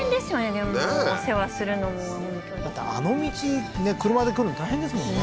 でもお世話するのもだってあの道ね車で来るの大変ですもんね